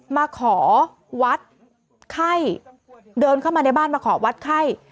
มาขอวัดไข้เดินเข้ามาในบ้านมาขอวัดไข้